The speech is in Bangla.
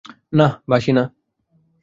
না, বাসি না।